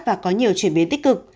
và có nhiều chuyển biến tích